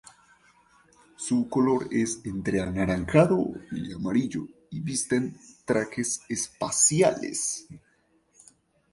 Su color es entre anaranjado y amarillo y visten trajes espaciales.